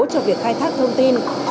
cho việc khai thác thông tin